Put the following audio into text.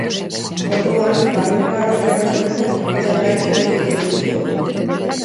Orduan, barruko arropa erosteko zergaitik egiten duzu?